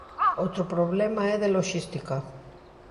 Outro problema é de loxística.